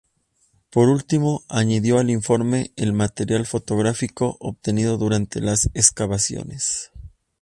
Por último, añadió al informe el material fotográfico obtenido durante las excavaciones.